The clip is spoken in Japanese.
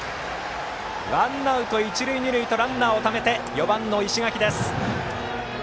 ワンアウト、一塁二塁とランナーをためて４番の石垣です。